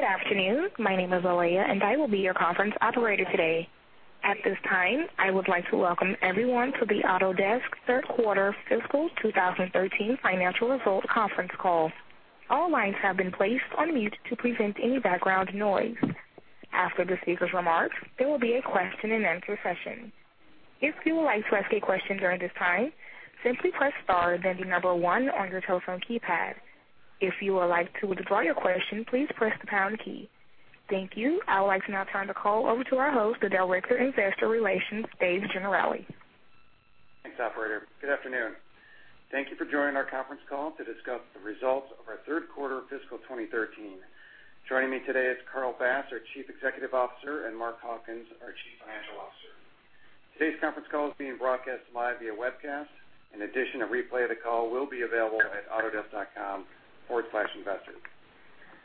Good afternoon. My name is Alaya. I will be your conference operator today. At this time, I would like to welcome everyone to the Autodesk Third Quarter Fiscal 2013 Financial Results Conference Call. All lines have been placed on mute to prevent any background noise. After the speakers' remarks, there will be a question-and-answer session. If you would like to ask a question during this time, simply press star then the number 1 on your telephone keypad. If you would like to withdraw your question, please press the pound key. Thank you. I would like to now turn the call over to our host, Dell Richter Investor Relations, David Gennarelli. Thanks, operator. Good afternoon. Thank you for joining our conference call to discuss the results of our third quarter of fiscal 2013. Joining me today is Carl Bass, our Chief Executive Officer, and Mark Hawkins, our Chief Financial Officer. Today's conference call is being broadcast live via webcast. In addition, a replay of the call will be available at autodesk.com/investors.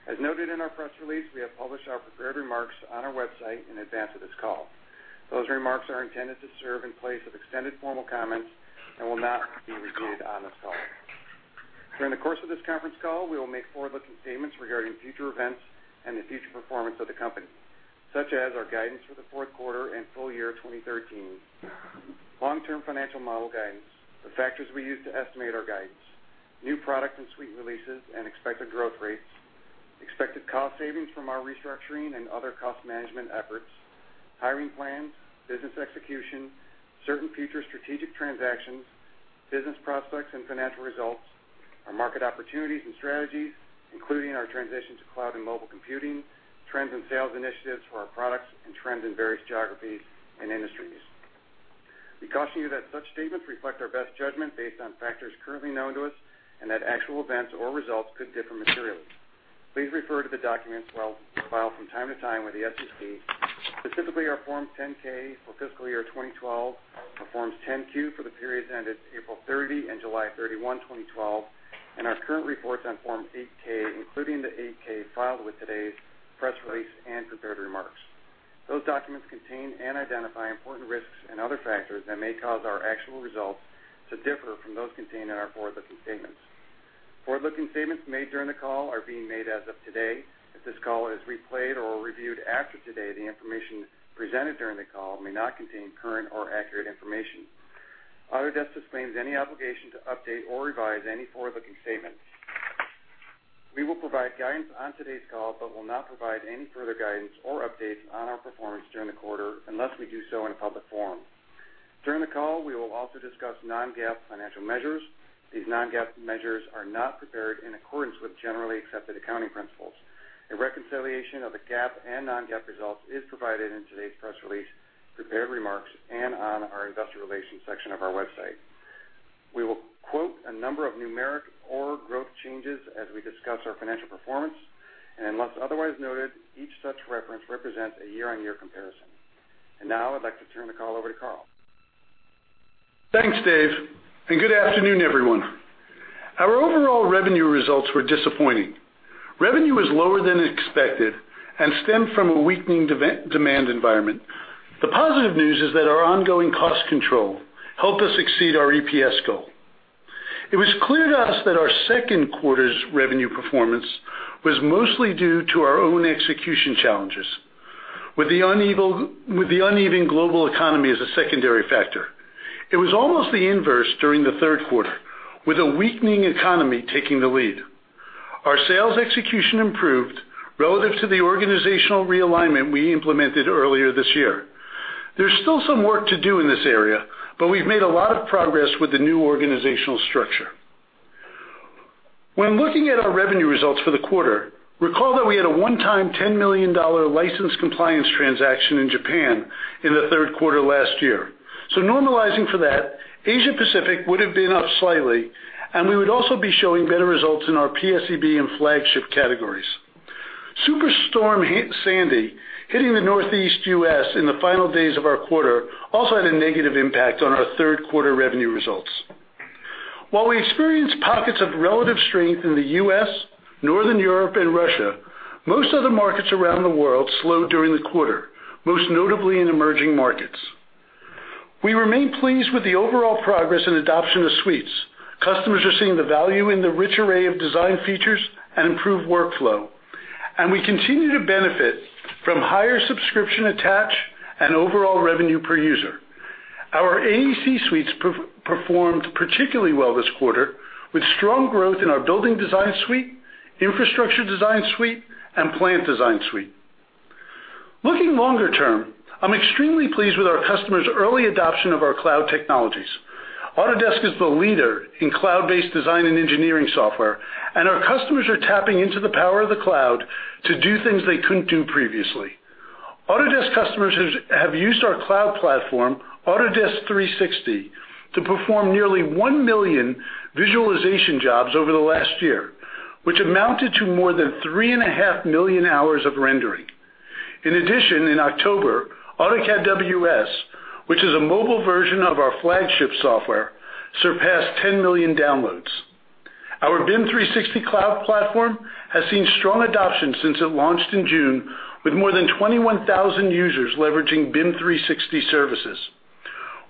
As noted in our press release, we have published our prepared remarks on our website in advance of this call. Those remarks are intended to serve in place of extended formal comments and will not be repeated on this call. During the course of this conference call, we will make forward-looking statements regarding future events and the future performance of the company, such as our guidance for the fourth quarter and full year 2013, long-term financial model guidance, the factors we use to estimate our guidance, new product and suite releases, and expected growth rates, expected cost savings from our restructuring and other cost management efforts, hiring plans, business execution, certain future strategic transactions, business prospects, and financial results, our market opportunities and strategies, including our transition to cloud and mobile computing, trends and sales initiatives for our products, and trends in various geographies and industries. We caution you that such statements reflect our best judgment based on factors currently known to us, and that actual events or results could differ materially. Please refer to the documents we'll file from time to time with the SEC, specifically our Form 10-K for fiscal year 2012, our Forms 10-Q for the periods ended April 30 and July 31, 2012, and our current reports on Form 8-K, including the 8-K filed with today's press release and prepared remarks. Those documents contain and identify important risks and other factors that may cause our actual results to differ from those contained in our forward-looking statements. Forward-looking statements made during the call are being made as of today. If this call is replayed or reviewed after today, the information presented during the call may not contain current or accurate information. Autodesk disclaims any obligation to update or revise any forward-looking statements. We will provide guidance on today's call but will not provide any further guidance or updates on our performance during the quarter unless we do so in a public forum. During the call, we will also discuss non-GAAP financial measures. These non-GAAP measures are not prepared in accordance with generally accepted accounting principles. A reconciliation of the GAAP and non-GAAP results is provided in today's press release, prepared remarks, and on our investor relations section of our website. We will quote a number of numeric or growth changes as we discuss our financial performance, and unless otherwise noted, each such reference represents a year-over-year comparison. Now, I'd like to turn the call over to Carl. Thanks, Dave, good afternoon, everyone. Our overall revenue results were disappointing. Revenue was lower than expected and stemmed from a weakening demand environment. The positive news is that our ongoing cost control helped us exceed our EPS goal. It was clear to us that our second quarter's revenue performance was mostly due to our own execution challenges. With the uneven global economy as a secondary factor. It was almost the inverse during the third quarter, with a weakening economy taking the lead. Our sales execution improved relative to the organizational realignment we implemented earlier this year. There's still some work to do in this area, but we've made a lot of progress with the new organizational structure. When looking at our revenue results for the quarter, recall that we had a one-time $10 million license compliance transaction in Japan in the third quarter last year. Normalizing for that, Asia-Pacific would have been up slightly, and we would also be showing better results in our PSEB and flagship categories. Superstorm Sandy hitting the Northeast U.S. in the final days of our quarter also had a negative impact on our third-quarter revenue results. While we experienced pockets of relative strength in the U.S., Northern Europe, and Russia, most other markets around the world slowed during the quarter, most notably in emerging markets. We remain pleased with the overall progress and adoption of suites. Customers are seeing the value in the rich array of design features and improved workflow. We continue to benefit from higher subscription attach and overall revenue per user. Our AEC suites performed particularly well this quarter with strong growth in our Building Design Suite, Infrastructure Design Suite, and Plant Design Suite. Looking longer term, I'm extremely pleased with our customers' early adoption of our cloud technologies. Autodesk is the leader in cloud-based design and engineering software, and our customers are tapping into the power of the cloud to do things they couldn't do previously. Autodesk customers have used our cloud platform, Autodesk 360, to perform nearly 1 million visualization jobs over the last year, which amounted to more than three and a half million hours of rendering. In addition, in October, AutoCAD WS, which is a mobile version of our flagship software, surpassed 10 million downloads. Our BIM 360 cloud platform has seen strong adoption since it launched in June, with more than 21,000 users leveraging BIM 360 services.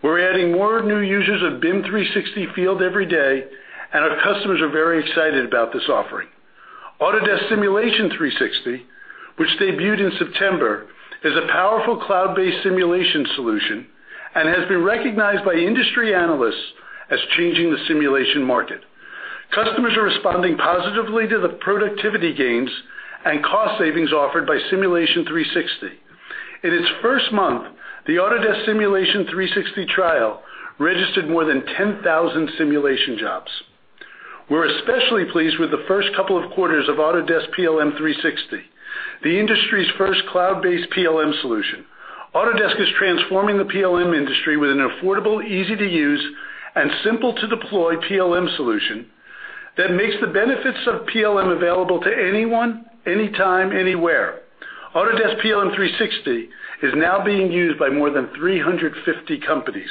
We're adding more new users of BIM 360 Field every day, our customers are very excited about this offering. Autodesk Simulation 360, which debuted in September, is a powerful cloud-based simulation solution and has been recognized by industry analysts as changing the simulation market. Customers are responding positively to the productivity gains and cost savings offered by Simulation 360. In its first month, the Autodesk Simulation 360 trial registered more than 10,000 simulation jobs. We're especially pleased with the first couple of quarters of Autodesk PLM 360, the industry's first cloud-based PLM solution. Autodesk is transforming the PLM industry with an affordable, easy-to-use, and simple-to-deploy PLM solution that makes the benefits of PLM available to anyone, anytime, anywhere. Autodesk PLM 360 is now being used by more than 350 companies.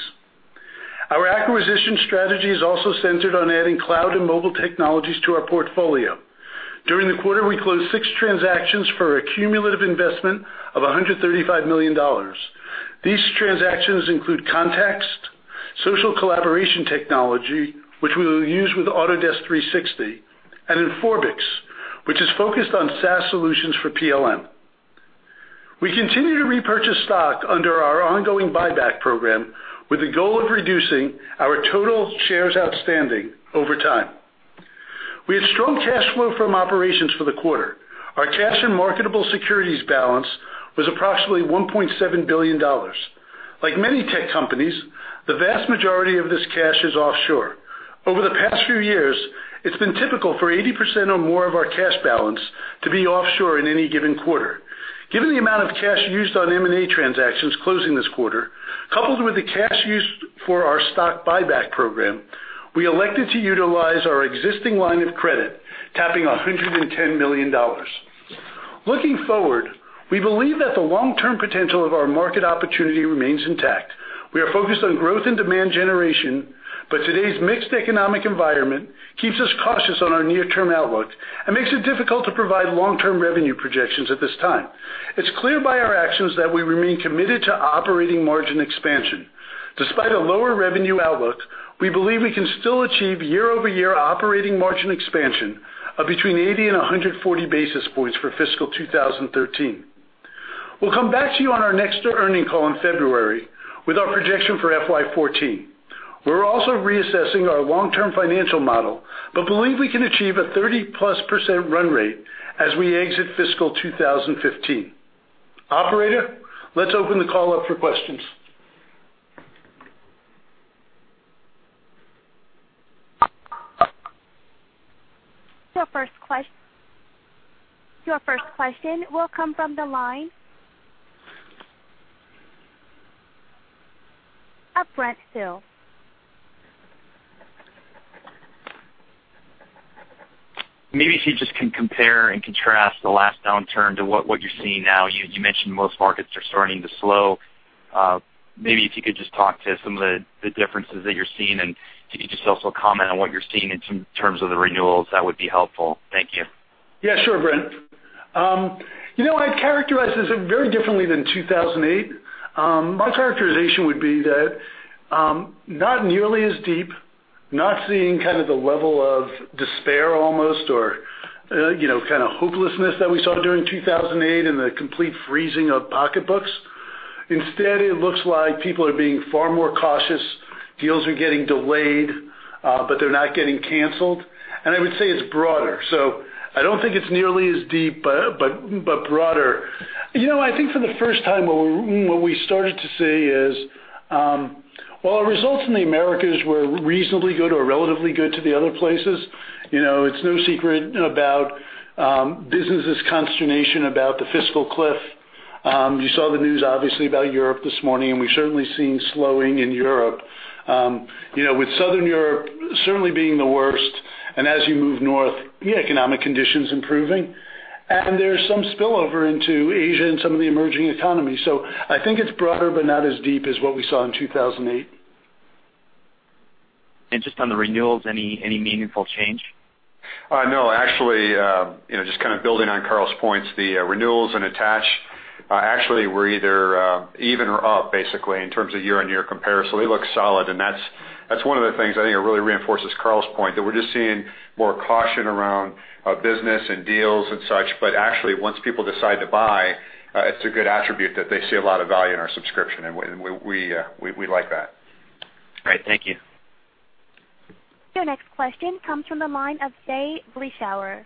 Our acquisition strategy is also centered on adding cloud and mobile technologies to our portfolio. During the quarter, we closed six transactions for a cumulative investment of $135 million. These transactions include Qontext, social collaboration technology, which we will use with Autodesk 360, and Inforbix, which is focused on SaaS solutions for PLM. We continue to repurchase stock under our ongoing buyback program, with the goal of reducing our total shares outstanding over time. We had strong cash flow from operations for the quarter. Our cash and marketable securities balance was approximately $1.7 billion. Like many tech companies, the vast majority of this cash is offshore. Over the past few years, it's been typical for 80% or more of our cash balance to be offshore in any given quarter. Given the amount of cash used on M&A transactions closing this quarter, coupled with the cash used for our stock buyback program, we elected to utilize our existing line of credit, tapping $110 million. Looking forward, we believe that the long-term potential of our market opportunity remains intact. We are focused on growth and demand generation. Today's mixed economic environment keeps us cautious on our near-term outlook and makes it difficult to provide long-term revenue projections at this time. It's clear by our actions that we remain committed to operating margin expansion. Despite a lower revenue outlook, we believe we can still achieve year-over-year operating margin expansion of between 80 and 140 basis points for fiscal 2013. We'll come back to you on our next earning call in February with our projection for FY 2014. We're also reassessing our long-term financial model. Believe we can achieve a 30-plus % run rate as we exit fiscal 2015. Operator, let's open the call up for questions. Your first question will come from the line of Brent Thill. Maybe if you just can compare and contrast the last downturn to what you're seeing now. You mentioned most markets are starting to slow. Maybe if you could just talk to some of the differences that you're seeing, and if you could just also comment on what you're seeing in terms of the renewals, that would be helpful. Thank you. Yeah, sure, Brent. I'd characterize this very differently than 2008. My characterization would be that not nearly as deep. Not seeing the level of despair almost or hopelessness that we saw during 2008 and the complete freezing of pocketbooks. Instead, it looks like people are being far more cautious. Deals are getting delayed, but they're not getting canceled. I would say it's broader. I don't think it's nearly as deep, but broader. I think for the first time, what we started to see is while our results in the Americas were reasonably good or relatively good to the other places, it's no secret about business' consternation about the fiscal cliff. You saw the news, obviously, about Europe this morning, and we've certainly seen slowing in Europe. With Southern Europe certainly being the worst, and as you move north, the economic conditions improving. There's some spillover into Asia and some of the emerging economies. I think it's broader, but not as deep as what we saw in 2008. Just on the renewals, any meaningful change? No, actually, just building on Carl's points, the renewals and attach actually were either even or up, basically, in terms of year-on-year comparison. They look solid, and that's one of the things I think really reinforces Carl's point, that we're just seeing more caution around business and deals and such, but actually, once people decide to buy, it's a good attribute that they see a lot of value in our subscription, and we like that. Great. Thank you. Your next question comes from the line of Jay Vleeschhouwer.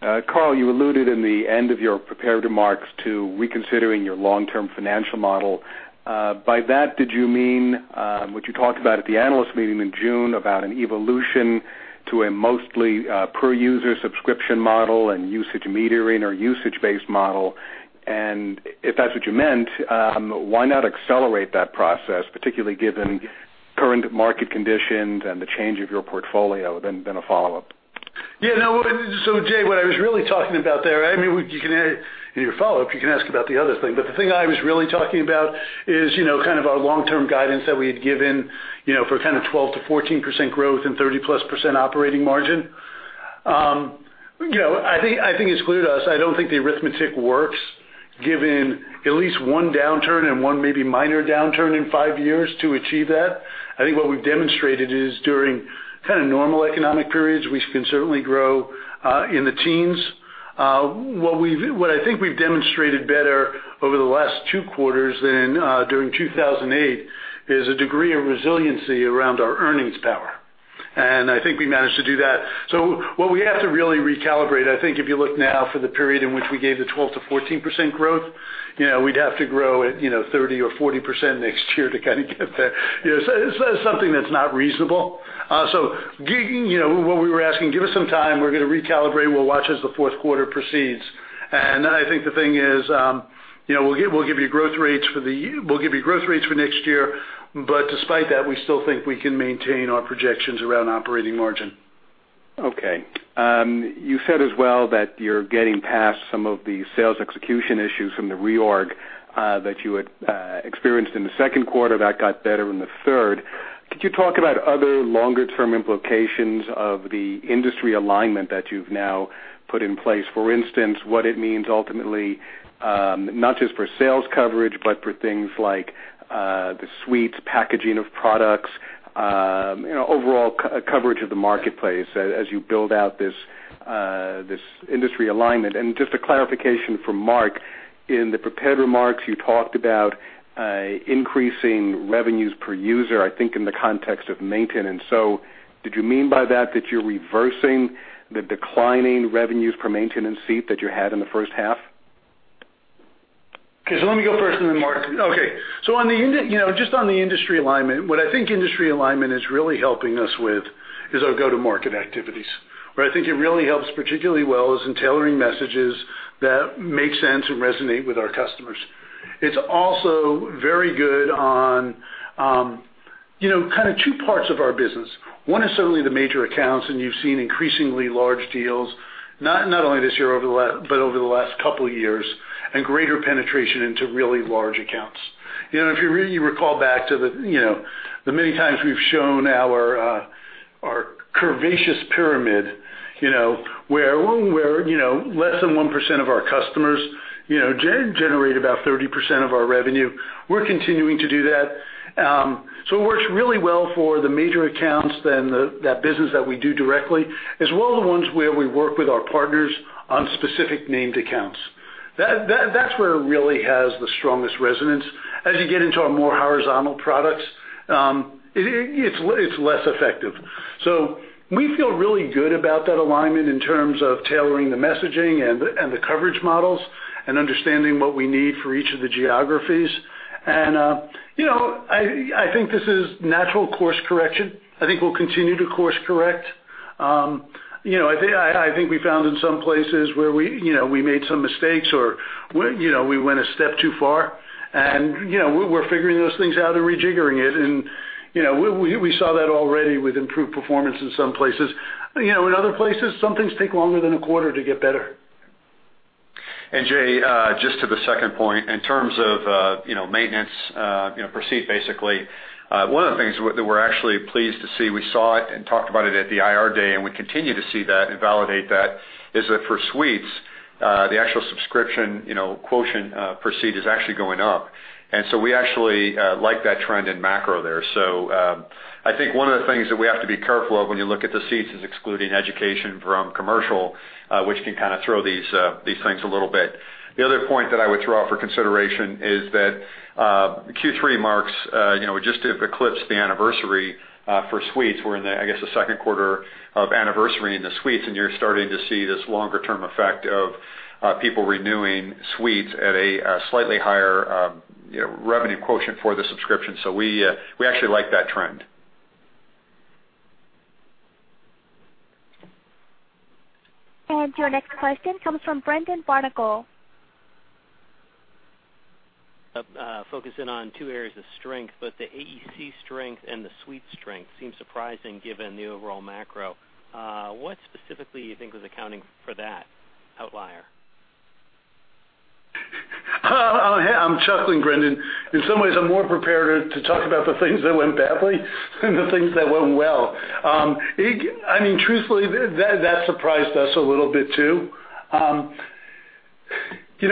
Carl, you alluded in the end of your prepared remarks to reconsidering your long-term financial model. By that, did you mean what you talked about at the analyst meeting in June about an evolution to a mostly per-user subscription model and usage metering or usage-based model? If that's what you meant, why not accelerate that process, particularly given current market conditions and the change of your portfolio? A follow-up. Jay, what I was really talking about there, in your follow-up, you can ask about the other thing, but the thing I was really talking about is our long-term guidance that we had given for 12%-14% growth and 30%-plus operating margin. I think it's clear to us, I don't think the arithmetic works given at least one downturn and one maybe minor downturn in five years to achieve that. I think what we've demonstrated is during kind of normal economic periods, we can certainly grow in the teens. What I think we've demonstrated better over the last two quarters than during 2008 is a degree of resiliency around our earnings power, and I think we managed to do that. What we have to really recalibrate, I think if you look now for the period in which we gave the 12%-14% growth, we'd have to grow at 30% or 40% next year to kind of get that. That is something that's not reasonable. What we were asking, give us some time. We're going to recalibrate. We'll watch as the fourth quarter proceeds. Then I think the thing is we'll give you growth rates for next year. Despite that, we still think we can maintain our projections around operating margin. Okay. You said as well that you're getting past some of the sales execution issues from the reorg that you had experienced in the second quarter, that got better in the third. Could you talk about other longer-term implications of the industry alignment that you've now put in place? For instance, what it means ultimately, not just for sales coverage, but for things like the suites, packaging of products, overall coverage of the marketplace as you build out this industry alignment. Just a clarification from Mark, in the prepared remarks, you talked about increasing revenues per user, I think in the context of maintenance. Did you mean by that you're reversing the declining revenues per maintenance seat that you had in the first half? Okay. Let me go first and then Mark. Okay. Just on the industry alignment, what I think industry alignment is really helping us with is our go-to market activities. Where I think it really helps particularly well is in tailoring messages that make sense and resonate with our customers. It's also very good on kind of two parts of our business. One is certainly the major accounts, and you've seen increasingly large deals, not only this year, but over the last couple of years, and greater penetration into really large accounts. If you really recall back to the many times we've shown our curvaceous pyramid, where less than 1% of our customers generate about 30% of our revenue, we're continuing to do that. It works really well for the major accounts, that business that we do directly, as well as the ones where we work with our partners on specific named accounts. That's where it really has the strongest resonance. As you get into our more horizontal products, it is less effective. We feel really good about that alignment in terms of tailoring the messaging and the coverage models and understanding what we need for each of the geographies. I think this is natural course correction. I think we will continue to course correct. I think we found in some places where we made some mistakes or we went a step too far, and we are figuring those things out and rejiggering it. We saw that already with improved performance in some places. In other places, some things take longer than a quarter to get better. Jay, just to the second point, in terms of maintenance per seat, basically, one of the things that we're actually pleased to see, we saw it and talked about it at the Investor Day, and we continue to see that and validate that, is that for suites, the actual subscription quotient per seat is actually going up. We actually like that trend in macro there. I think one of the things that we have to be careful of when you look at the seats is excluding education from commercial, which can kind of throw these things a little bit. The other point that I would throw out for consideration is that Q3 marks, we just have eclipsed the anniversary for suites. We're in the, I guess, the second quarter of anniversary in the suites. You're starting to see this longer-term effect of people renewing suites at a slightly higher revenue quotient for the subscription. We actually like that trend. Your next question comes from Brendan Barnicle. Focusing on two areas of strength, the AEC strength and the suite strength seems surprising given the overall macro. What specifically do you think was accounting for that outlier? I'm chuckling, Brendan. In some ways, I'm more prepared to talk about the things that went badly than the things that went well. Truthfully, that surprised us a little bit too.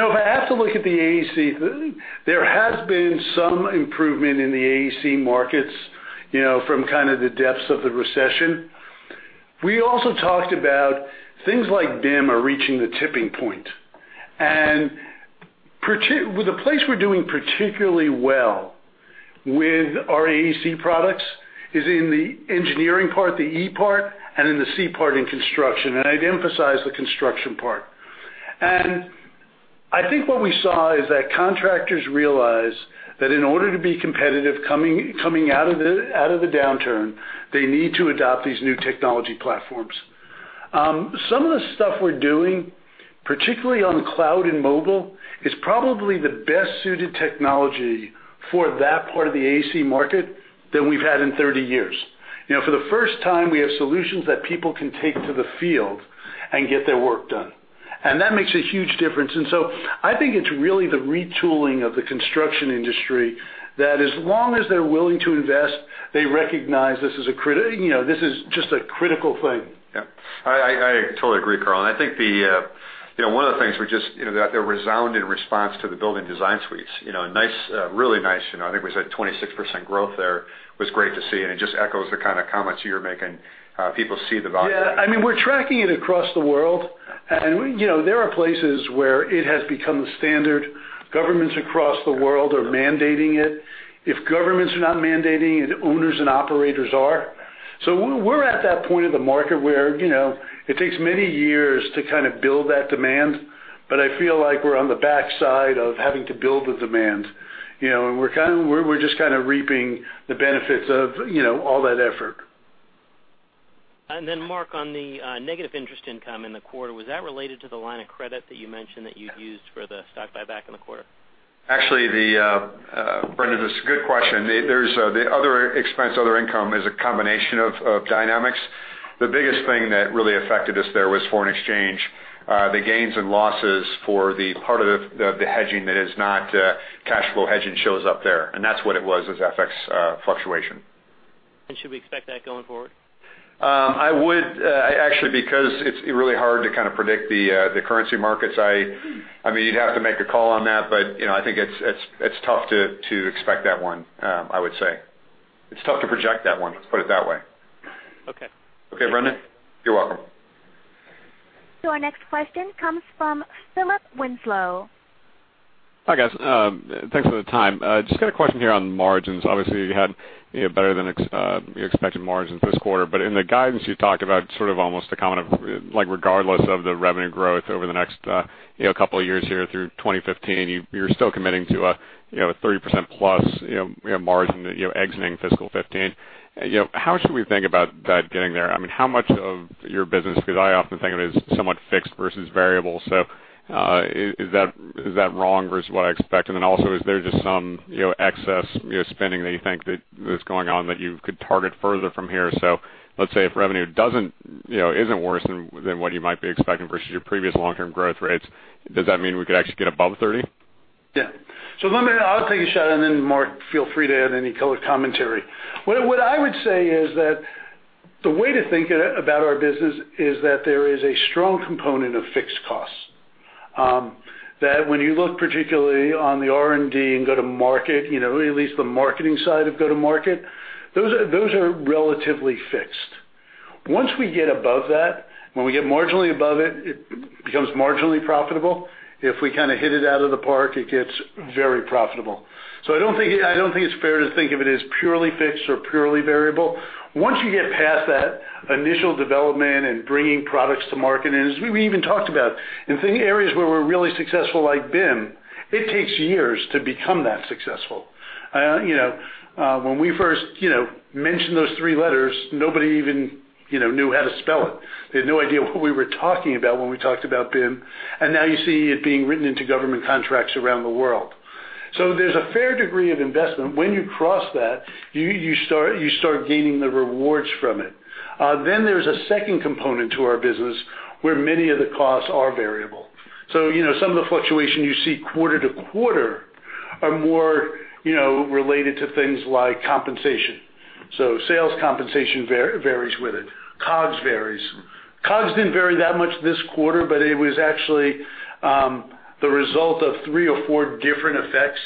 If I have to look at the AEC, there has been some improvement in the AEC markets from kind of the depths of the recession. We also talked about things like BIM are reaching the tipping point. The place we're doing particularly well with our AEC products is in the engineering part, the E part, and in the C part in construction, and I'd emphasize the construction part. I think what we saw is that contractors realize that in order to be competitive coming out of the downturn, they need to adopt these new technology platforms. Some of the stuff we're doing, particularly on cloud and mobile, is probably the best-suited technology for that part of the AEC market than we've had in 30 years. For the first time, we have solutions that people can take to the field and get their work done. That makes a huge difference. So I think it's really the retooling of the construction industry, that as long as they're willing to invest, they recognize this is just a critical thing. Yeah, I totally agree, Carl. I think one of the things, the resounding response to the Building Design Suites, really nice. I think we said 26% growth there was great to see, and it just echoes the kind of comments you're making. People see the value. Yeah. We're tracking it across the world. There are places where it has become the standard. Governments across the world are mandating it. If governments are not mandating it, owners and operators are. We're at that point of the market where it takes many years to build that demand. I feel like we're on the backside of having to build the demand. We're just kind of reaping the benefits of all that effort. Mark, on the negative interest income in the quarter, was that related to the line of credit that you mentioned that you used for the stock buyback in the quarter? Actually, Brendan, that's a good question. The other expense, other income is a combination of dynamics. The biggest thing that really affected us there was foreign exchange. The gains and losses for the part of the hedging that is not cash flow hedging shows up there. That's what it was FX fluctuation. Should we expect that going forward? Actually, because it's really hard to predict the currency markets, you'd have to make a call on that, but I think it's tough to expect that one, I would say. It's tough to project that one, let's put it that way. Okay. Okay, Brendan? You're welcome. Our next question comes from Philip Winslow. Hi, guys. Thanks for the time. Just got a question here on margins. Obviously, you had better than expected margins this quarter. In the guidance, you talked about sort of almost a comment of, regardless of the revenue growth over the next couple of years here through 2015, you're still committing to a 30% plus margin exiting fiscal 2015. How should we think about that getting there? How much of your business, because I often think of it as somewhat fixed versus variable, so is that wrong versus what I expect? Also, is there just some excess spending that you think that is going on that you could target further from here? Let's say if revenue isn't worse than what you might be expecting versus your previous long-term growth rates, does that mean we could actually get above 30? I'll take a shot, then Mark, feel free to add any commentary. What I would say is that the way to think about our business is that there is a strong component of fixed costs. When you look particularly on the R&D and go to market, at least the marketing side of go to market, those are relatively fixed. Once we get above that, when we get marginally above it becomes marginally profitable. If we hit it out of the park, it gets very profitable. I don't think it's fair to think of it as purely fixed or purely variable. Once you get past that initial development and bringing products to market, and as we even talked about, in areas where we're really successful, like BIM, it takes years to become that successful. When we first mentioned those three letters, nobody even knew how to spell it. They had no idea what we were talking about when we talked about BIM, and now you see it being written into government contracts around the world. There's a fair degree of investment. When you cross that, you start gaining the rewards from it. There's a second component to our business where many of the costs are variable. Some of the fluctuation you see quarter-over-quarter are more related to things like compensation. Sales compensation varies with it. COGS varies. COGS didn't vary that much this quarter, but it was actually the result of three or four different effects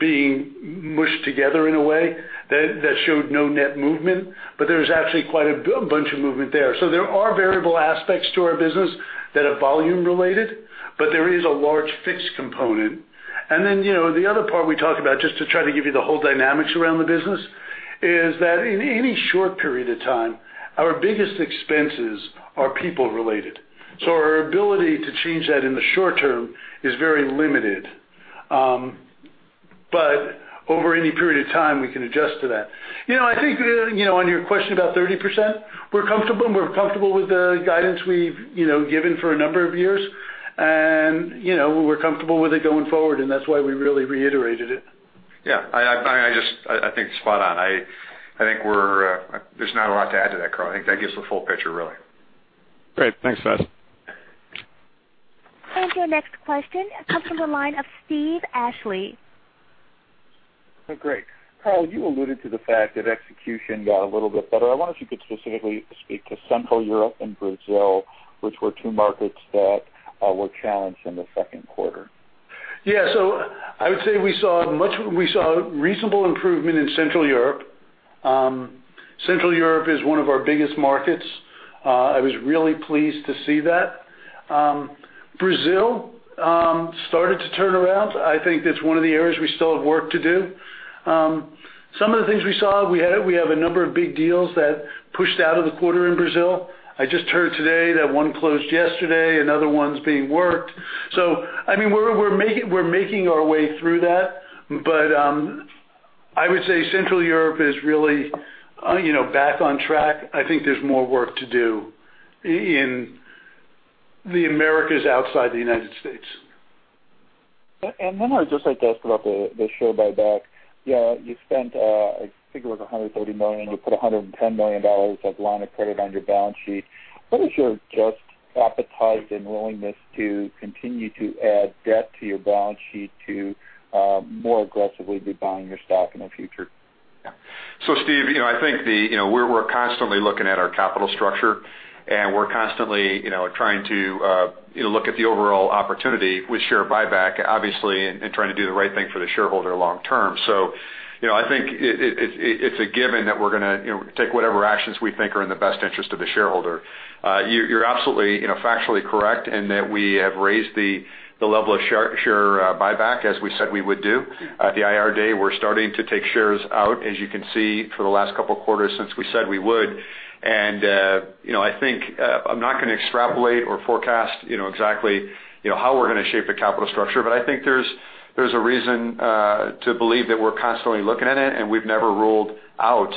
being mushed together in a way that showed no net movement, but there's actually quite a bunch of movement there. There are variable aspects to our business that are volume related, but there is a large fixed component. The other part we talked about, just to try to give you the whole dynamics around the business, is that in any short period of time, our biggest expenses are people related. Our ability to change that in the short term is very limited. Over any period of time, we can adjust to that. I think, on your question about 30%, we're comfortable. We're comfortable with the guidance we've given for a number of years, and we're comfortable with it going forward, and that's why we really reiterated it. Yeah. I think spot on. There's not a lot to add to that, Carl. I think that gives the full picture, really. Great. Thanks, guys. Your next question comes from the line of Steven Ashley. Great. Carl, you alluded to the fact that execution got a little bit better. I wonder if you could specifically speak to Central Europe and Brazil, which were two markets that were challenged in the second quarter. Yeah. I would say we saw a reasonable improvement in Central Europe. Central Europe is one of our biggest markets. I was really pleased to see that. Brazil started to turn around. I think that's one of the areas we still have work to do. Some of the things we saw, we have a number of big deals that pushed out of the quarter in Brazil. I just heard today that one closed yesterday, another one's being worked. We're making our way through that. I would say Central Europe is really back on track. I think there's more work to do in the Americas outside the United States. I would just like to ask about the share buyback. You spent, I think it was $130 million. You put $110 million of line of credit on your balance sheet. What is your just appetite and willingness to continue to add debt to your balance sheet to more aggressively be buying your stock in the future? Yeah. Steve, I think we're constantly looking at our capital structure, and we're constantly trying to look at the overall opportunity with share buyback, obviously, and trying to do the right thing for the shareholder long term. I think it's a given that we're going to take whatever actions we think are in the best interest of the shareholder. You're absolutely factually correct in that we have raised the level of share buyback as we said we would do. At the Investor Day, we're starting to take shares out, as you can see, for the last couple of quarters since we said we would. I think, I'm not going to extrapolate or forecast exactly how we're going to shape the capital structure. I think there's a reason to believe that we're constantly looking at it, and we've never ruled out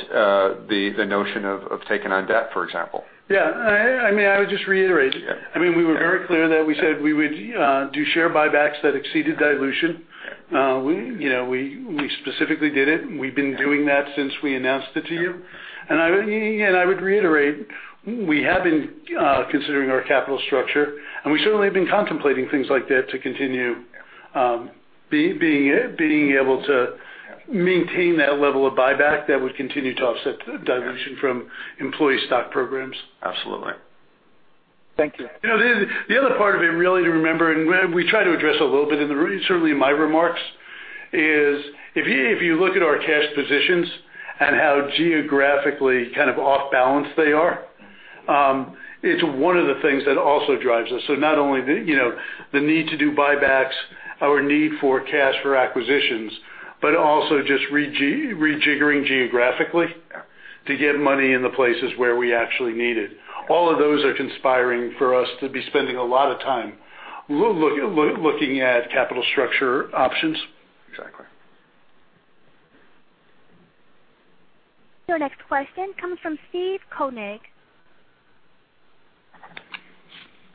the notion of taking on debt, for example. Yeah. I would just reiterate. Yeah. We were very clear that we said we would do share buybacks that exceeded dilution. Yeah. We specifically did it, and we've been doing that since we announced it to you. I would reiterate, we have been considering our capital structure, and we certainly have been contemplating things like debt to continue being able to maintain that level of buyback that would continue to offset dilution from employee stock programs. Absolutely. Thank you. The other part of it really to remember, and we try to address a little bit certainly in my remarks, is if you look at our cash positions and how geographically off-balance they are, it's one of the things that also drives us. Not only the need to do buybacks, our need for cash for acquisitions, but also just rejiggering geographically to get money in the places where we actually need it. All of those are conspiring for us to be spending a lot of time looking at capital structure options. Exactly. Your next question comes from Steve Koenig.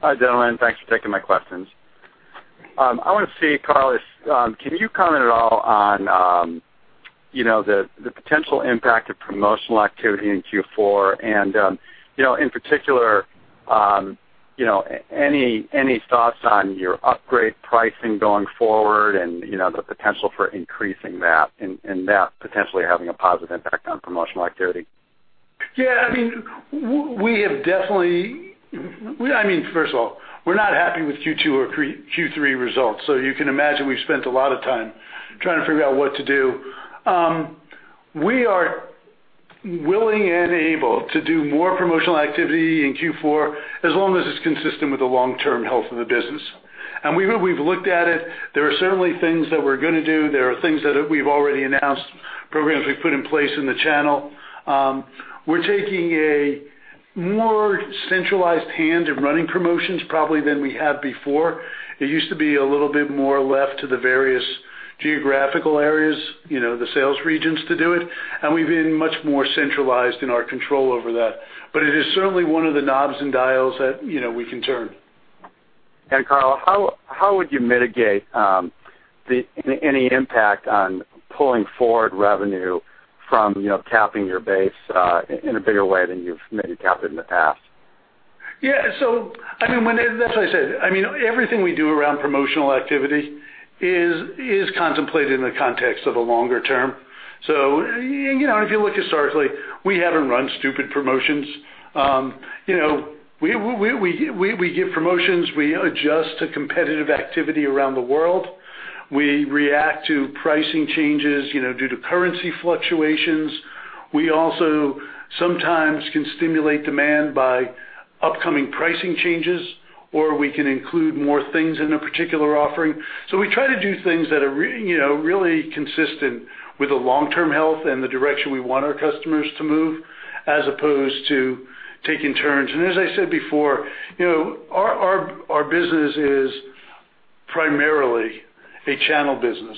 Hi, gentlemen. Thanks for taking my questions. I want to see, Carl, can you comment at all on the potential impact of promotional activity in Q4? In particular, any thoughts on your upgrade pricing going forward and the potential for increasing that, and that potentially having a positive impact on promotional activity? Yeah. First of all, we're not happy with Q2 or Q3 results. You can imagine we've spent a lot of time trying to figure out what to do. We are willing and able to do more promotional activity in Q4 as long as it's consistent with the long-term health of the business. We've looked at it. There are certainly things that we're going to do. There are things that we've already announced, programs we've put in place in the channel. We're taking a more centralized hand in running promotions probably than we have before. It used to be a little bit more left to the various geographical areas, the sales regions to do it, and we've been much more centralized in our control over that. It is certainly one of the knobs and dials that we can turn. Carl, how would you mitigate any impact on pulling forward revenue from capping your base in a bigger way than you've maybe capped it in the past? Yeah. That's why I said, everything we do around promotional activity is contemplated in the context of the longer term. If you look historically, we haven't run stupid promotions. We give promotions. We adjust to competitive activity around the world. We react to pricing changes due to currency fluctuations. We also sometimes can stimulate demand by upcoming pricing changes, or we can include more things in a particular offering. We try to do things that are really consistent with the long-term health and the direction we want our customers to move, as opposed to taking turns. As I said before, our business is primarily a channel business.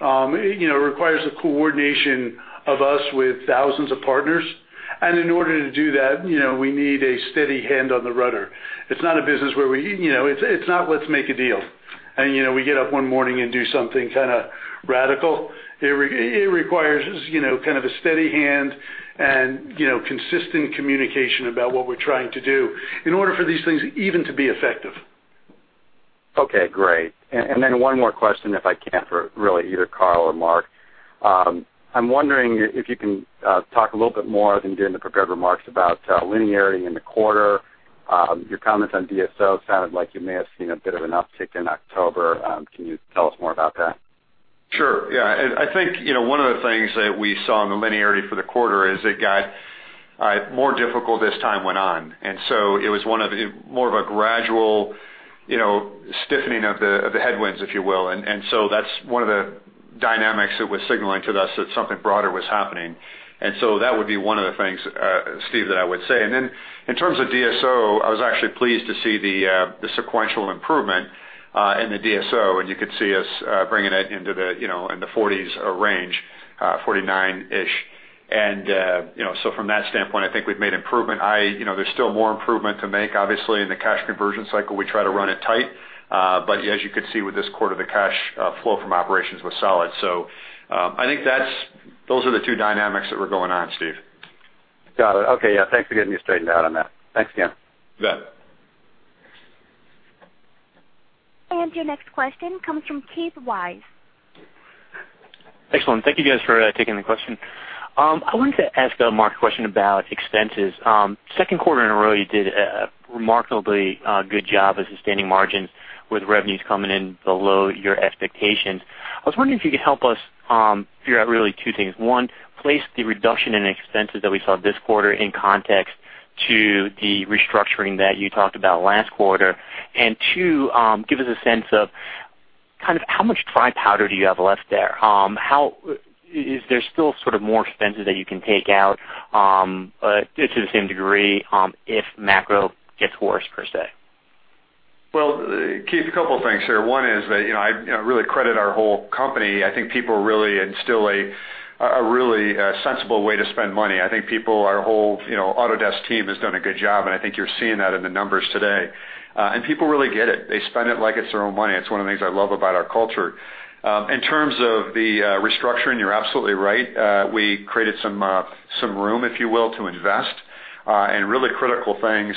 It requires the coordination of us with thousands of partners. In order to do that, we need a steady hand on the rudder. It's not a business where it's not let's make a deal, and we get up one morning and do something kind of radical. It requires kind of a steady hand and consistent communication about what we're trying to do in order for these things even to be effective. Okay, great. One more question, if I can, for really either Carl or Mark. I'm wondering if you can talk a little bit more than you did in the prepared remarks about linearity in the quarter. Your comments on DSO sounded like you may have seen a bit of an uptick in October. Can you tell us more about that? Sure. Yeah. I think one of the things that we saw in the linearity for the quarter is it got more difficult as time went on. It was more of a gradual stiffening of the headwinds, if you will. That's one of the things, Steve, that I would say. In terms of DSO, I was actually pleased to see the sequential improvement in the DSO, and you could see us bringing it into the 40s range, 49-ish. From that standpoint, I think we've made improvement. There's still more improvement to make, obviously, in the cash conversion cycle. We try to run it tight. As you could see with this quarter, the cash flow from operations was solid. I think those are the two dynamics that were going on, Steve. Got it. Okay. Yeah, thanks for getting me straightened out on that. Thanks again. You bet. Your next question comes from Keith Weiss. Excellent. Thank you guys for taking the question. I wanted to ask Mark a question about expenses. Second quarter in a row, you did a remarkably good job of sustaining margins with revenues coming in below your expectations. I was wondering if you could help us figure out really two things. One, place the reduction in expenses that we saw this quarter in context to the restructuring that you talked about last quarter. Two, give us a sense of how much dry powder do you have left there? Is there still more expenses that you can take out to the same degree if macro gets worse, per se? Well, Keith, a couple of things here. One is that, I really credit our whole company. I think people are really instill a really sensible way to spend money. I think our whole Autodesk team has done a good job, and I think you're seeing that in the numbers today. People really get it. They spend it like it's their own money. It's one of the things I love about our culture. In terms of the restructuring, you're absolutely right. We created some room, if you will, to invest in really critical things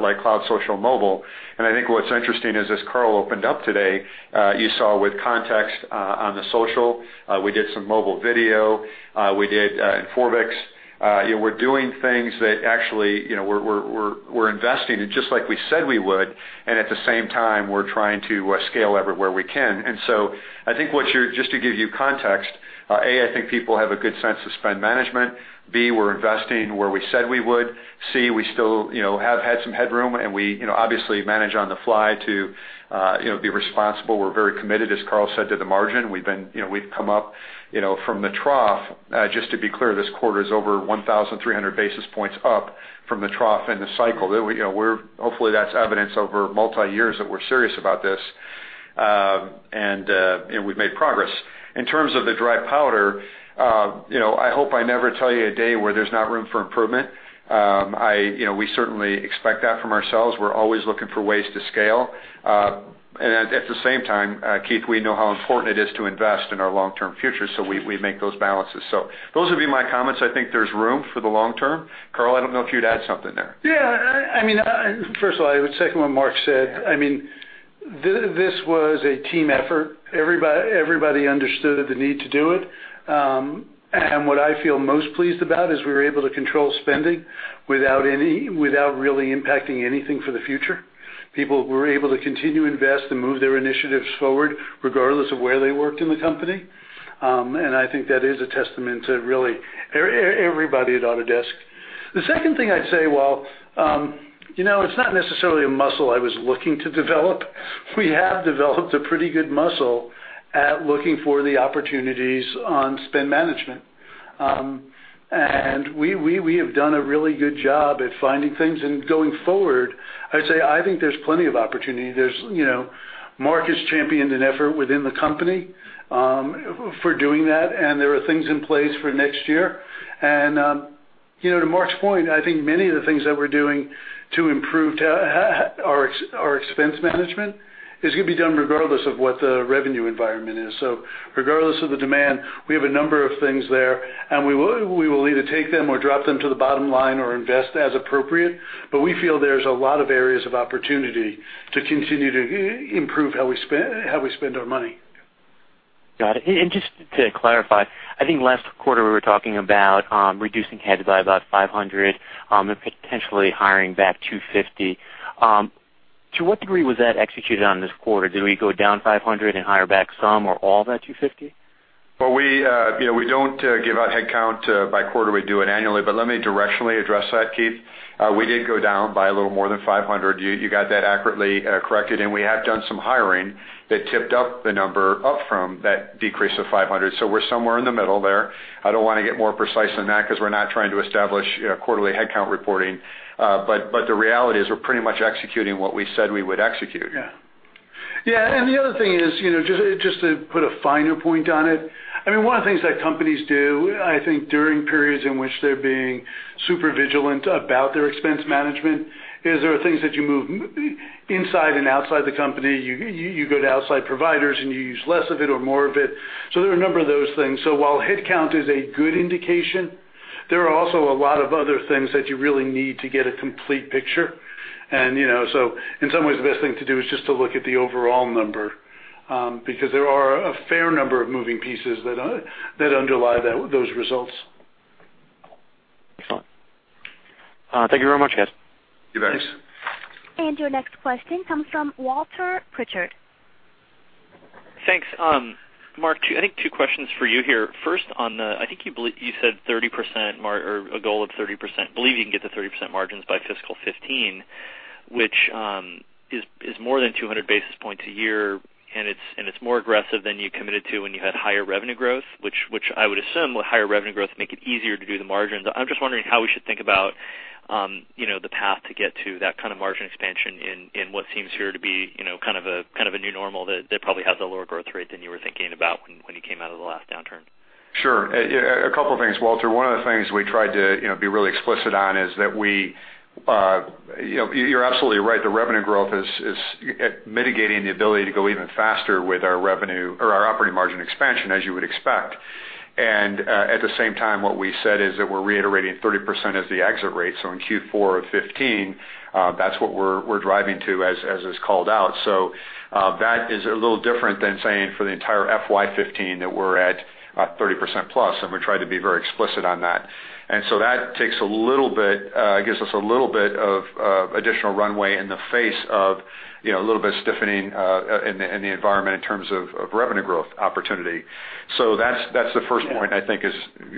like cloud, social, mobile. I think what's interesting is as Carl opened up today, you saw with context on the social. We did some mobile video. We did Inforbix. We're doing things that actually, we're investing in just like we said we would, and at the same time, we're trying to scale everywhere we can. I think just to give you context, A, I think people have a good sense of spend management. B, we're investing where we said we would. C, we still have had some headroom, and we obviously manage on the fly to be responsible. We're very committed, as Carl said, to the margin. We've come up from the trough. Just to be clear, this quarter is over 1,300 basis points up from the trough in the cycle. Hopefully, that's evidence over multi-years that we're serious about this. We've made progress. In terms of the dry powder, I hope I never tell you a day where there's not room for improvement. We certainly expect that from ourselves. We're always looking for ways to scale. At the same time, Keith, we know how important it is to invest in our long-term future, so we make those balances. Those would be my comments. I think there's room for the long term. Carl, I don't know if you'd add something there. Yeah. First of all, I would second what Mark said. This was a team effort. Everybody understood the need to do it. What I feel most pleased about is we were able to control spending without really impacting anything for the future. People were able to continue to invest and move their initiatives forward, regardless of where they worked in the company. I think that is a testament to really everybody at Autodesk. The second thing I'd say, while it's not necessarily a muscle I was looking to develop, we have developed a pretty good muscle at looking for the opportunities on spend management. We have done a really good job at finding things and going forward, I'd say, I think there's plenty of opportunity. Mark has championed an effort within the company for doing that, and there are things in place for next year. To Mark's point, I think many of the things that we're doing to improve our expense management is going to be done regardless of what the revenue environment is. Regardless of the demand, we have a number of things there, and we will either take them or drop them to the bottom line or invest as appropriate. We feel there's a lot of areas of opportunity to continue to improve how we spend our money. Got it. Just to clarify, I think last quarter we were talking about reducing heads by about 500 and potentially hiring back 250. To what degree was that executed on this quarter? Did we go down 500 and hire back some or all of that 250? We don't give out headcount by quarter. We do it annually. Let me directionally address that, Keith. We did go down by a little more than 500. You got that accurately corrected. We have done some hiring that tipped up the number up from that decrease of 500. We're somewhere in the middle there. I don't want to get more precise than that because we're not trying to establish quarterly headcount reporting. The reality is we're pretty much executing what we said we would execute. Yeah. The other thing is, just to put a finer point on it, one of the things that companies do, I think, during periods in which they're being super vigilant about their expense management is there are things that you move inside and outside the company. You go to outside providers, and you use less of it or more of it. There are a number of those things. While headcount is a good indication, there are also a lot of other things that you really need to get a complete picture. In some ways, the best thing to do is just to look at the overall number, because there are a fair number of moving pieces that underlie those results. Excellent. Thank you very much, guys. You bet. Thanks. Your next question comes from Walter Pritchard. Thanks. Mark, I think two questions for you here. First on the, I think you said 30% or a goal of 30%, believe you can get to 30% margins by FY 2015, which is more than 200 basis points a year. It's more aggressive than you committed to when you had higher revenue growth, which I would assume higher revenue growth make it easier to do the margins. I'm just wondering how we should think about the path to get to that kind of margin expansion in what seems here to be a new normal that probably has a lower growth rate than you were thinking about when you came out of the last downturn. Sure. A couple of things, Walter. One of the things we tried to be really explicit on is that you're absolutely right. The revenue growth is mitigating the ability to go even faster with our revenue or our operating margin expansion, as you would expect. At the same time, what we said is that we're reiterating 30% of the exit rate. In Q4 of 2015, that's what we're driving to, as is called out. That is a little different than saying for the entire FY 2015 that we're at 30% plus. We try to be very explicit on that. That takes a little bit, gives us a little bit of additional runway in the face of a little bit of stiffening in the environment in terms of revenue growth opportunity. That's the first point I think is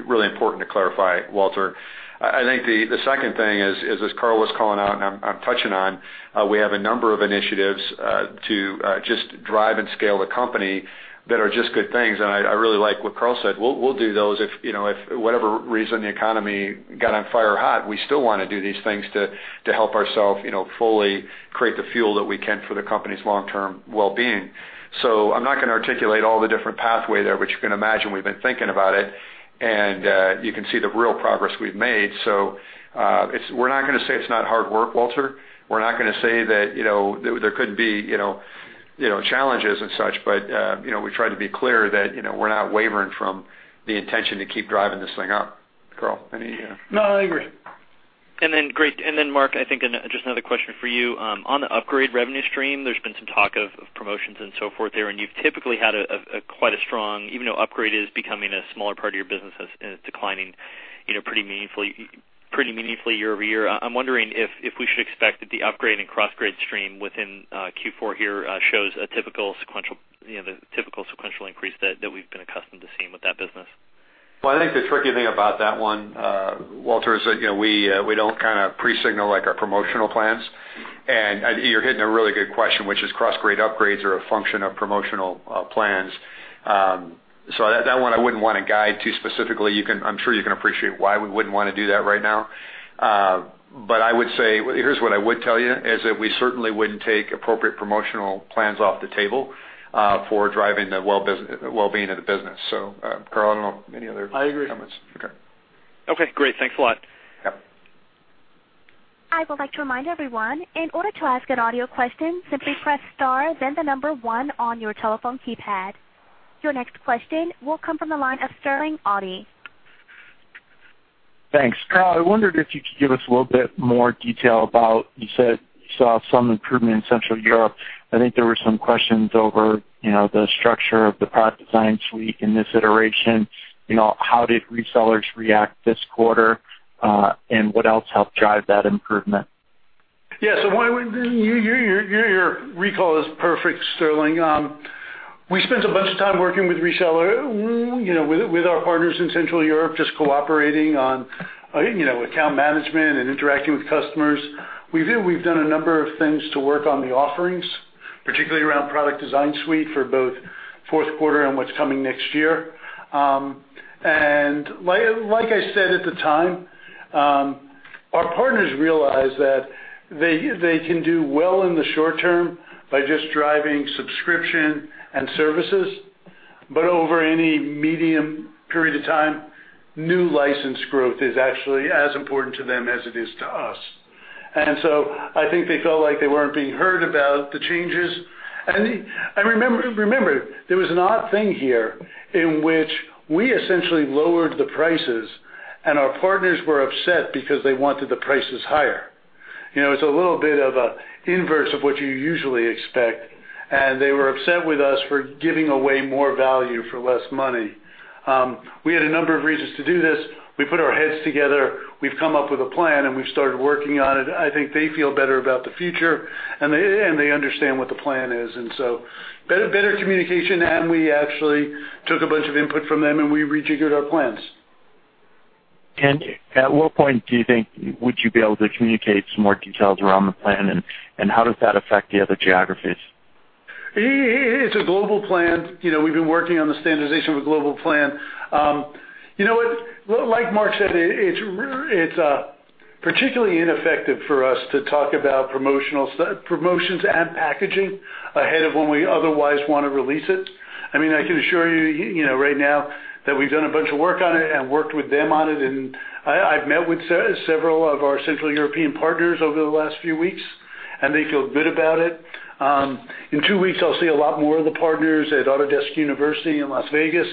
really important to clarify, Walter. I think the second thing is, as Carl was calling out and I'm touching on, we have a number of initiatives to just drive and scale the company that are just good things. I really like what Carl said. We'll do those if, for whatever reason, the economy got on fire hot, we still want to do these things to help ourself fully create the fuel that we can for the company's long-term wellbeing. I'm not going to articulate all the different pathway there, but you can imagine we've been thinking about it, and you can see the real progress we've made. We're not going to say it's not hard work, Walter. We're not going to say that there couldn't be challenges and such, but we try to be clear that we're not wavering from the intention to keep driving this thing up. Carl, any? No, I agree. Great. Mark, I think just another question for you. On the upgrade revenue stream, there's been some talk of promotions and so forth there, and you've typically had quite a strong, even though upgrade is becoming a smaller part of your business and it's declining pretty meaningfully year-over-year. I'm wondering if we should expect that the upgrade and cross-grade stream within Q4 here shows a typical sequential increase that we've been accustomed to seeing with that business. Well, I think the tricky thing about that one, Walter, is that we don't pre-signal our promotional plans. I think you're hitting a really good question, which is cross-grade upgrades are a function of promotional plans. That one I wouldn't want to guide too specifically. I'm sure you can appreciate why we wouldn't want to do that right now. I would say, here's what I would tell you, is that we certainly wouldn't take appropriate promotional plans off the table for driving the wellbeing of the business. Carl, I don't know, any other comments? I agree. Okay. Okay, great. Thanks a lot. Yeah. I would like to remind everyone, in order to ask an audio question, simply press star then the number 1 on your telephone keypad. Your next question will come from the line of Sterling Auty. Thanks. Carl, I wondered if you could give us a little bit more detail about, you said you saw some improvement in Central Europe. I think there were some questions over the structure of the Product Design Suite in this iteration. How did resellers react this quarter? What else helped drive that improvement? Yeah. Your recall is perfect, Sterling. We spent a bunch of time working with resellers, with our partners in Central Europe, just cooperating on account management and interacting with customers. We've done a number of things to work on the offerings, particularly around Product Design Suite for both fourth quarter and what's coming next year. Like I said at the time, our partners realize that they can do well in the short term by just driving subscription and services. Over any medium period of time, new license growth is actually as important to them as it is to us. I think they felt like they weren't being heard about the changes. Remember, there was an odd thing here in which we essentially lowered the prices, and our partners were upset because they wanted the prices higher. It's a little bit of an inverse of what you usually expect, and they were upset with us for giving away more value for less money. We had a number of reasons to do this. We put our heads together, we've come up with a plan, and we've started working on it. I think they feel better about the future, and they understand what the plan is, and so better communication, and we actually took a bunch of input from them, and we rejiggered our plans. At what point do you think would you be able to communicate some more details around the plan? How does that affect the other geographies? It's a global plan. We've been working on the standardization of a global plan. You know what? Like Mark said, it's particularly ineffective for us to talk about promotions and packaging ahead of when we otherwise want to release it. I can assure you right now that we've done a bunch of work on it and worked with them on it, and I've met with several of our Central European partners over the last few weeks, and they feel good about it. In two weeks, I'll see a lot more of the partners at Autodesk University in Las Vegas.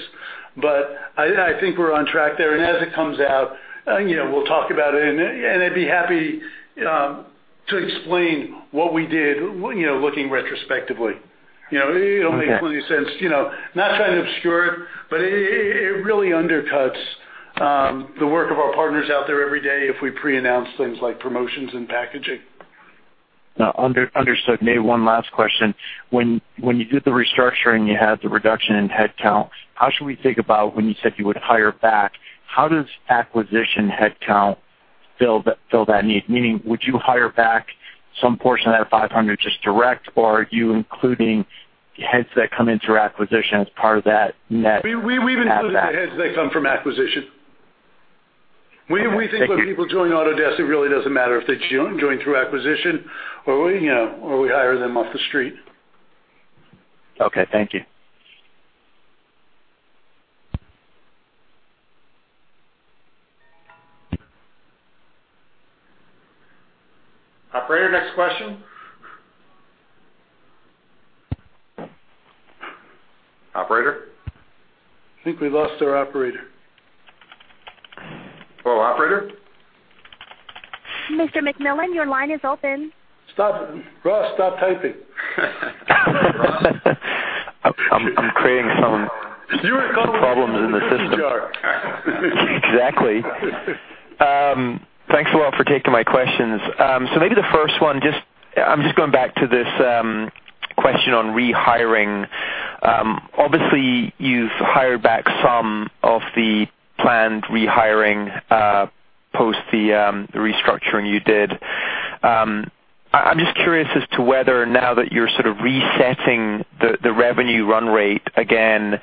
I think we're on track there. As it comes out, we'll talk about it, and I'd be happy to explain what we did looking retrospectively. It'll make plenty of sense. Not trying to obscure it really undercuts the work of our partners out there every day if we pre-announce things like promotions and packaging. Understood. Maybe one last question. When you did the restructuring, you had the reduction in headcount. How should we think about when you said you would hire back? How does acquisition headcount fill that need? Meaning, would you hire back some portion of that 500 just direct, or are you including heads that come in through acquisition as part of that net? We've included the heads that come from acquisition. Okay, thank you. When we think people join Autodesk, it really doesn't matter if they join through acquisition or we hire them off the street. Okay, thank you. Operator, next question. Operator? I think we lost our operator. Hello, operator? Mr. McMillan, your line is open. Ross, stop typing. Ross. I'm creating some problems in the system. You're a code kitchen jar. Exactly. Thanks a lot for taking my questions. Maybe the first one, I'm just going back to this question on re-hiring. Obviously, you've hired back some of the planned re-hiring post the restructuring you did. I'm just curious as to whether now that you're sort of resetting the revenue run rate again,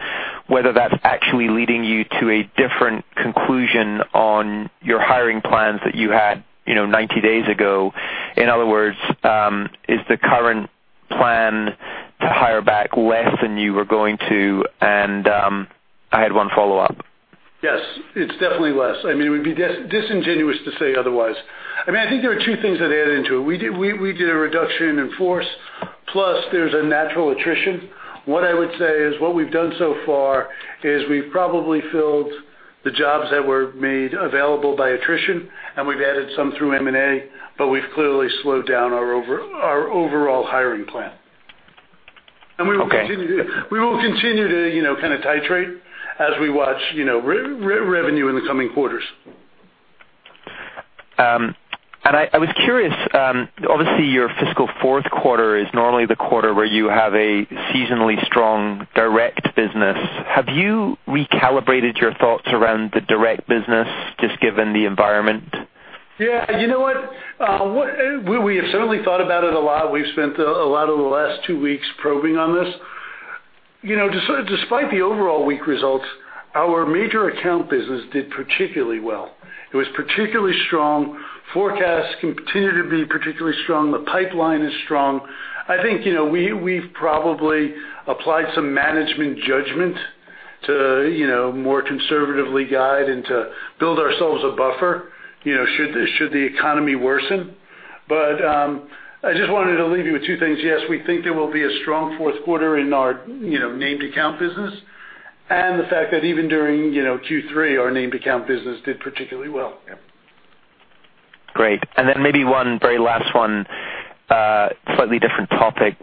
whether that's actually leading you to a different conclusion on your hiring plans that you had 90 days ago. In other words, is the current plan to hire back less than you were going to? I had one follow-up. Yes, it's definitely less. It would be disingenuous to say otherwise. I think there are two things that add into it. We did a reduction in force, plus there's a natural attrition. What I would say is what we've done so far is we've probably filled the jobs that were made available by attrition, and we've added some through M&A, but we've clearly slowed down our overall hiring plan. Okay. We will continue to kind of titrate as we watch revenue in the coming quarters. I was curious, obviously, your fiscal fourth quarter is normally the quarter where you have a seasonally strong direct business. Have you recalibrated your thoughts around the direct business, just given the environment? Yeah. You know what? We have certainly thought about it a lot. We've spent a lot of the last two weeks probing on this. Despite the overall weak results, our major account business did particularly well. It was particularly strong. Forecasts continue to be particularly strong. The pipeline is strong. I think we've probably applied some management judgment to more conservatively guide and to build ourselves a buffer should the economy worsen. I just wanted to leave you with two things. Yes, we think there will be a strong fourth quarter in our named account business, and the fact that even during Q3, our named account business did particularly well. Great. Maybe one very last one, slightly different topic.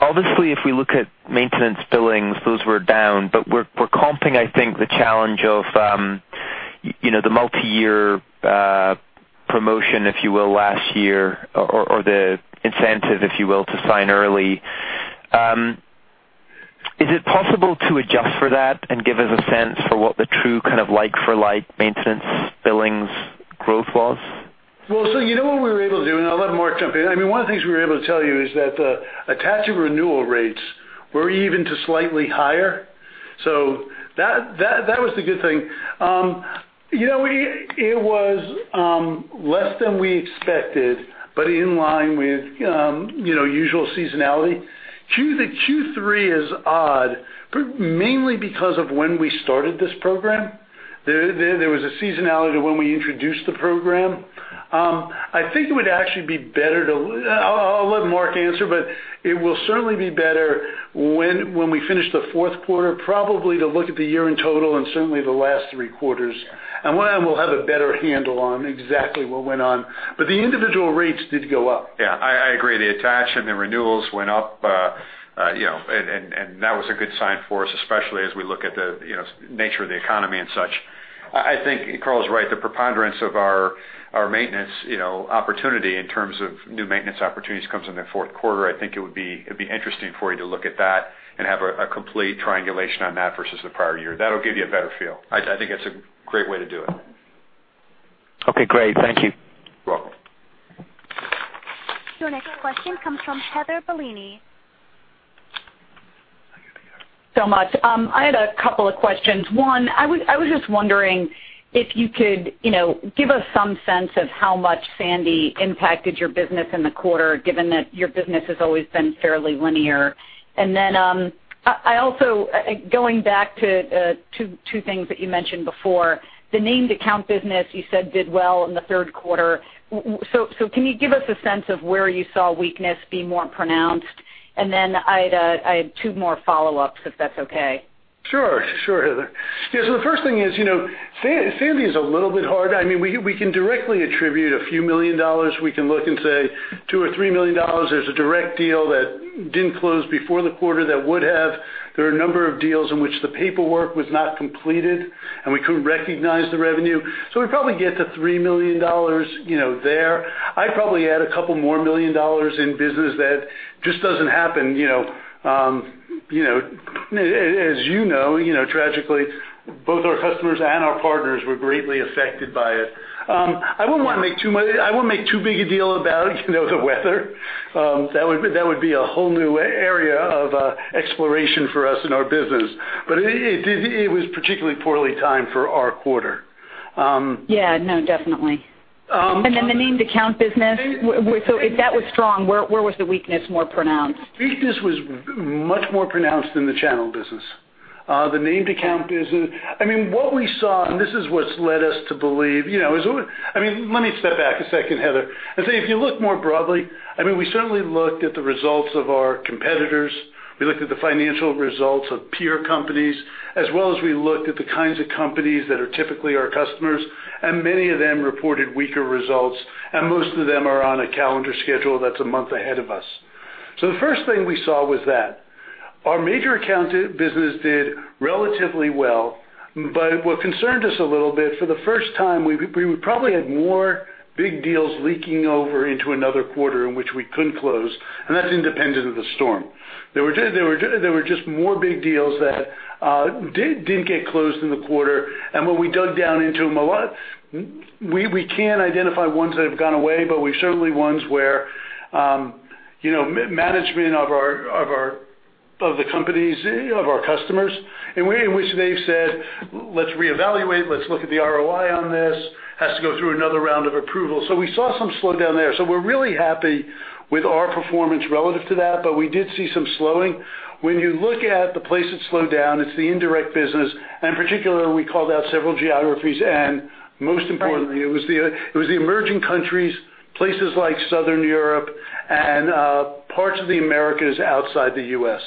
Obviously, if we look at maintenance billings, those were down. We're comping, I think, the challenge of the multi-year promotion, if you will, last year or the incentive, if you will, to sign early. Is it possible to adjust for that and give us a sense for what the true kind of like-for-like maintenance billings growth was? You know what we were able to do, I'll let Mark jump in. One of the things we were able to tell you is that the attached renewal rates were even to slightly higher. That was the good thing. It was less than we expected, but in line with usual seasonality. The Q3 is odd, mainly because of when we started this program. There was a seasonality to when we introduced the program. I'll let Mark answer, it will certainly be better when we finish the fourth quarter, probably to look at the year in total and certainly the last three quarters. We'll have a better handle on exactly what went on. The individual rates did go up. I agree. The attachment, the renewals went up, that was a good sign for us, especially as we look at the nature of the economy and such. Carl is right. The preponderance of our maintenance opportunity in terms of new maintenance opportunities comes in the fourth quarter. It'd be interesting for you to look at that and have a complete triangulation on that versus the prior year. That'll give you a better feel. That's a great way to do it. Great. Thank you. You're welcome. Your next question comes from Heather Bellini. Thank you so much. I had a couple of questions. One, I was just wondering if you could give us some sense of how much Superstorm Sandy impacted your business in the quarter, given that your business has always been fairly linear. Going back to two things that you mentioned before, the named account business you said did well in the third quarter. Can you give us a sense of where you saw weakness be more pronounced? I had two more follow-ups, if that's okay. Sure, Heather. The first thing is, Superstorm Sandy is a little bit hard. We can directly attribute a few million dollars. We can look and say two or three million dollars. There's a direct deal that didn't close before the quarter that would have. There are a number of deals in which the paperwork was not completed, and we couldn't recognize the revenue. We probably get to $3 million there. I'd probably add a couple more million dollars in business that just doesn't happen. As you know, tragically, both our customers and our partners were greatly affected by it. I wouldn't make too big a deal about the weather. That would be a whole new area of exploration for us in our business, but it was particularly poorly timed for our quarter. No, definitely. The name-to-account business, if that was strong, where was the weakness more pronounced? Weakness was much more pronounced in the channel business. Let me step back a second, Heather, and say, if you look more broadly, we certainly looked at the results of our competitors. We looked at the financial results of peer companies, as well as we looked at the kinds of companies that are typically our customers, and many of them reported weaker results, and most of them are on a calendar schedule that's a month ahead of us. The first thing we saw was that. Our major account business did relatively well. What concerned us a little bit, for the first time, we probably had more big deals leaking over into another quarter in which we couldn't close, and that's independent of the storm. There were just more big deals that didn't get closed in the quarter. When we dug down into them, we can identify ones that have gone away, but we've certainly ones where management of the companies, of our customers, in which they've said, "Let's reevaluate. Let's look at the ROI on this. Has to go through another round of approval." We saw some slowdown there. We're really happy with our performance relative to that, but we did see some slowing. When you look at the place that slowed down, it's the indirect business. Particularly, we called out several geographies, and most importantly, it was the emerging countries, places like Southern Europe and parts of the Americas outside the U.S.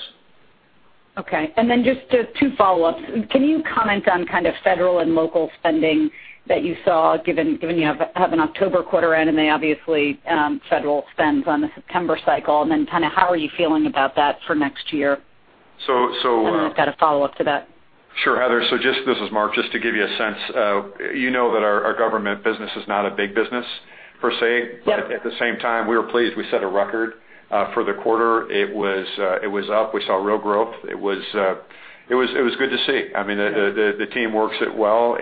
Okay. Just two follow-ups. Can you comment on federal and local spending that you saw, given you have an October quarter end, and then obviously, federal spends on the September cycle? How are you feeling about that for next year? So- Then I've got a follow-up to that. Sure, Heather. This is Mark. Just to give you a sense, you know that our government business is not a big business per se. Yep. At the same time, we were pleased. We set a record for the quarter. It was up. We saw real growth. It was good to see. The team works it well.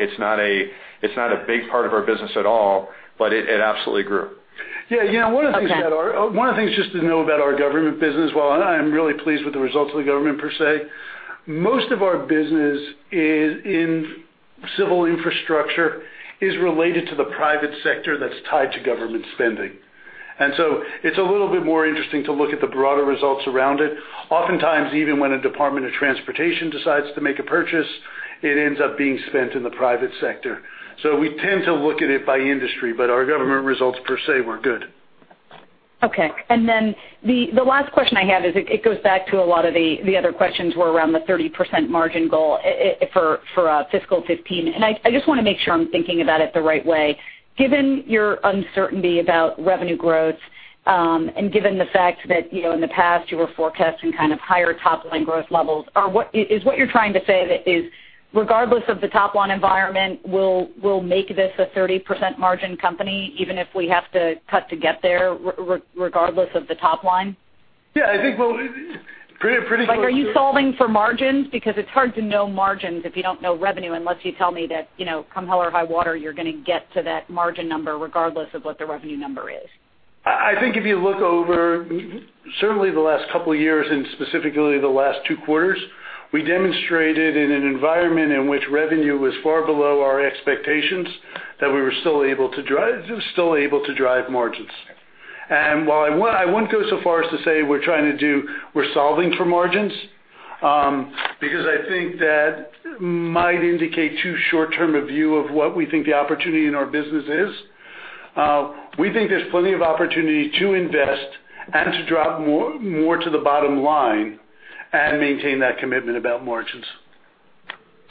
It's not a big part of our business at all, but it absolutely grew. Okay. One of the things just to know about our government business, while I'm really pleased with the results of the government per se, most of our business in civil infrastructure is related to the private sector that's tied to government spending. It's a little bit more interesting to look at the broader results around it. Oftentimes, even when a Department of Transportation decides to make a purchase, it ends up being spent in the private sector. We tend to look at it by industry, but our government results per se were good. Okay. The last question I have is, it goes back to a lot of the other questions were around the 30% margin goal for FY 2015. I just want to make sure I'm thinking about it the right way. Given your uncertainty about revenue growth, and given the fact that in the past you were forecasting higher top-line growth levels, is what you're trying to say that is, regardless of the top-line environment, we'll make this a 30% margin company, even if we have to cut to get there, regardless of the top-line? Yeah, I think pretty close to it. Are you solving for margins? It's hard to know margins if you don't know revenue, unless you tell me that come hell or high water, you're going to get to that margin number regardless of what the revenue number is. I think if you look over certainly the last couple of years, and specifically the last two quarters, we demonstrated in an environment in which revenue was far below our expectations, that we were still able to drive margins. While I wouldn't go so far as to say we're trying to do, we're solving for margins, because I think that might indicate too short-term a view of what we think the opportunity in our business is. We think there's plenty of opportunity to invest and to drop more to the bottom line and maintain that commitment about margins.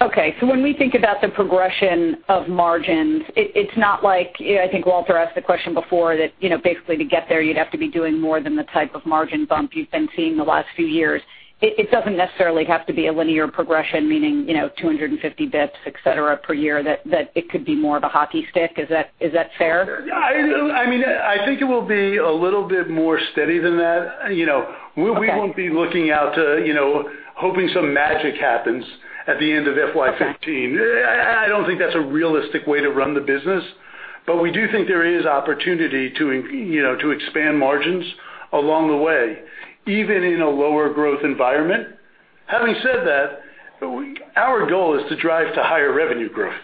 Okay. When we think about the progression of margins, it's not like, I think Walter asked the question before, that basically to get there, you'd have to be doing more than the type of margin bump you've been seeing the last few years. It doesn't necessarily have to be a linear progression, meaning 250 basis points, et cetera, per year, that it could be more of a hockey stick. Is that fair? I think it will be a little bit more steady than that. Okay. We won't be looking out to hoping some magic happens at the end of FY 2015. Okay. I don't think that's a realistic way to run the business. We do think there is opportunity to expand margins along the way, even in a lower growth environment. Having said that, our goal is to drive to higher revenue growth.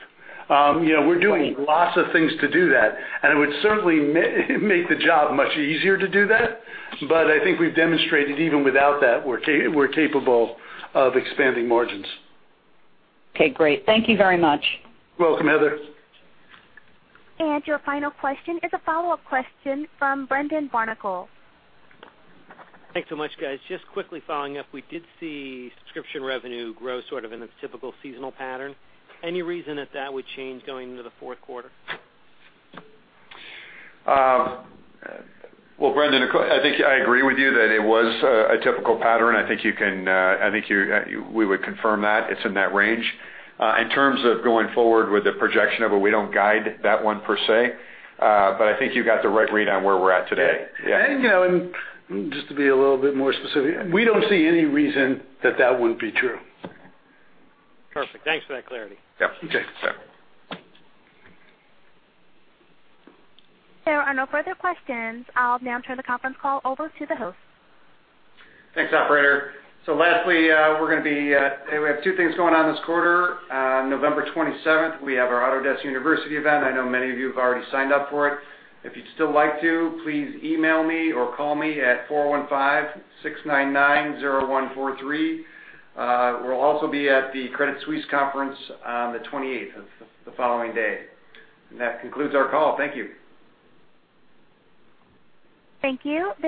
We're doing lots of things to do that, and it would certainly make the job much easier to do that. I think we've demonstrated even without that, we're capable of expanding margins. Okay, great. Thank you very much. Welcome, Heather. Your final question is a follow-up question from Brendan Barnicle. Thanks so much, guys. Just quickly following up, we did see subscription revenue grow sort of in its typical seasonal pattern. Any reason that that would change going into the fourth quarter? Well, Brendan, I think I agree with you that it was a typical pattern. I think we would confirm that it's in that range. In terms of going forward with the projection of it, we don't guide that one per se. I think you got the right read on where we're at today. Yeah. Just to be a little bit more specific, we don't see any reason that that wouldn't be true. Perfect. Thanks for that clarity. Yep. Okay. Sure. There are no further questions. I'll now turn the conference call over to the host. Thanks, Operator. Lastly, we have two things going on this quarter. On November 27th, we have our Autodesk University event. I know many of you have already signed up for it. If you'd still like to, please email me or call me at 415-699-0143. We'll also be at the Credit Suisse conference on the 28th, the following day. That concludes our call. Thank you. Thank you.